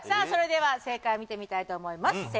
それでは正解見てみたいと思います